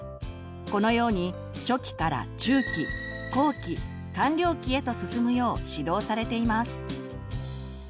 このように初期から中期後期完了期へと進むよう指導されています。